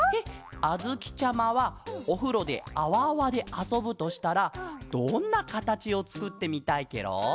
あづきちゃまはおふろであわあわであそぶとしたらどんなかたちをつくってみたいケロ？